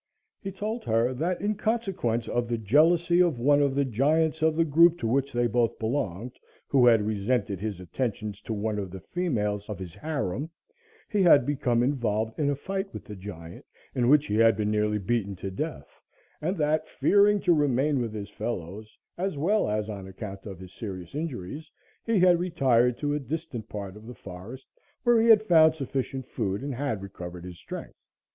He told her that in consequence of the jealousy of one of the giants of the group to which they both belonged, who had resented his attentions to one of the females of his harem, he had become involved in a fight with the giant in which he had been beaten nearly to death, and that, fearing to remain with his fellows, as well as on account of his serious injuries, he had retired to a distant part of the forest where he had found sufficient food and had recovered his strength.